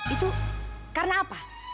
itu karena apa